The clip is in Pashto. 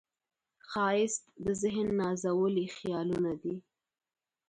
ښایست د ذهن نازولي خیالونه دي